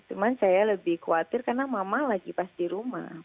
cuma saya lebih khawatir karena mama lagi pas di rumah